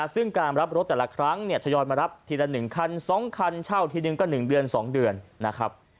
ซึ่งการรับรถแต่ละครั้งเนี่ยทยอยมารับทีละ๑คัน๒คันเช่าทีนึงก็๑เดือน๒เดือนนะครับ